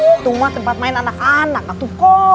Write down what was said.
tunggu mah tempat main anak anak